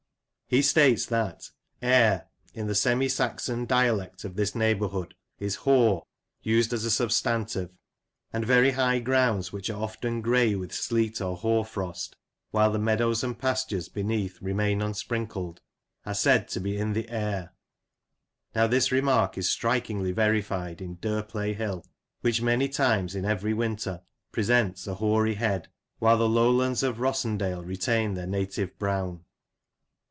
He states that "Ere, in the semi Saxon dialect of this neigh 128 Lancashire Characters and Places, bourhood, is hoar, used as a substantive; and very high grounds, which are often grey with sleet or hoarfrost while the meadows and pastures beneath remain unsprinkled, are said to be in the Ere. Now this remark is strikingly verified in Derplay Hill, which, many times in every winter, presents a hoary head, while the lowlands of Rossendale retain their native brown.